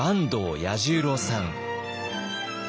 彌十郎さん。